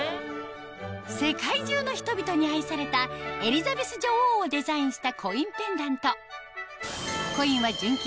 世界中の人々に愛されたエリザベス女王をデザインしたコインペンダントコインは純金